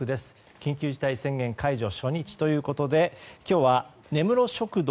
緊急事態宣言解除初日ということで今日は、根室食堂